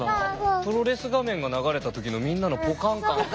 プロレス画面が流れた時のみんなのぽかん感。